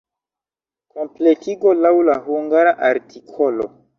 Kompletigo laŭ la hungara artikolo.